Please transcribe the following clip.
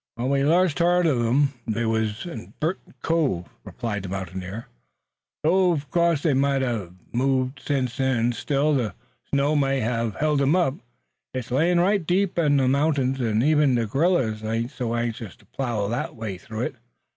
"When we last heard uv 'em they wuz in Burton's Cove," replied the mountaineer, "though uv course they may hev moved sence then. Still, the snow may hev held 'em. It's a layin' right deep on the mountings, an' even the gorillers ain't so anxious to plough thar way through it."